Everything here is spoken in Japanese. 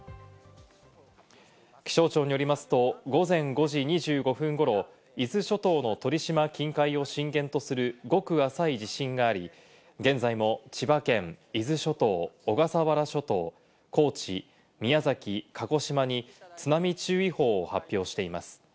気象庁によりますと、午前５時２５分ごろ、伊豆諸島の鳥島近海を震源とする、ごく浅い地震があり、現在も千葉県、伊豆諸島、小笠原諸島、高知、宮崎、鹿児島に津波注意報を発表しています。